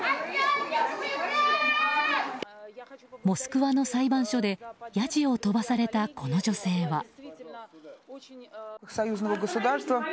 モスクワの裁判所でやじを飛ばされたこの女性は。